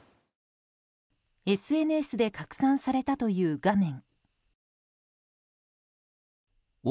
ＳＮＳで拡散されたという画面。